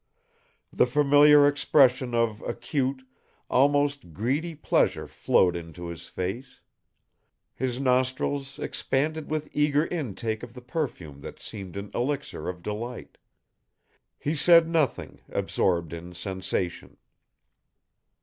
The familiar expression of acute, almost greedy pleasure flowed into his face. His nostrils expanded with eager intake of the perfume that seemed an elixir of delight. He said nothing, absorbed in sensation.